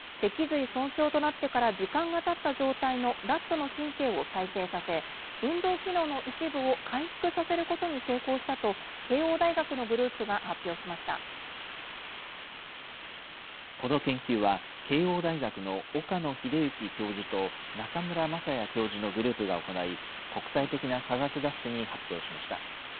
ｉＰＳ細胞から作った神経の細胞を移植することで、脊髄損傷となってから時間がたった状態のラットの神経を再生させ、運動機能の一部を回復させることに成功したと、慶応大学のグループが発表しこの研究は、慶応大学の岡野栄之教授と、中村雅也教授のグループが行い、国際的な科学雑誌に発表しました。